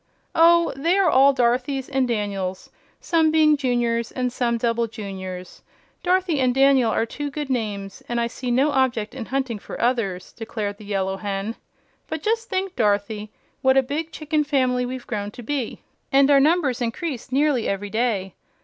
"Oh, they are all Dorothys and Daniels, some being Juniors and some Double Juniors. Dorothy and Daniel are two good names, and I see no object in hunting for others," declared the Yellow Hen. "But just think, Dorothy, what a big chicken family we've grown to be, and our numbers increase nearly every day!